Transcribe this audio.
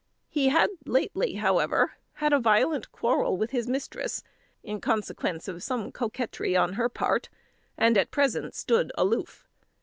He had lately, however, had a violent quarrel with his mistress, in consequence of some coquetry on her part, and at present stood aloof.